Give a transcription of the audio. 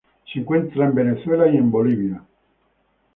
Se encuentra en Venezuela y Bolivia.